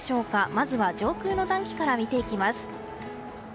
まずは、上空の暖気から見ていきます。